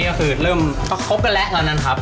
ก็คือเริ่มก็ครบกันแล้วนะครับ